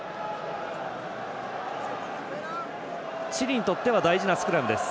チリにとっては大事なスクラムです。